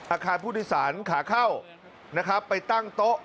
อาคารผู้โดยสารขาเข้านะครับไปตั้งโต๊ะ